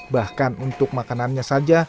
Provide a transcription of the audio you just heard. bahkan untuk makanannya saja